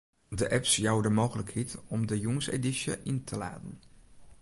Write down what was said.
De apps jouwe de mooglikheid om de jûnsedysje yn te laden.